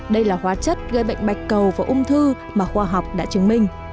đây là hóa chất gây bệnh bạch cầu và ung thư mà khoa học đã chứng minh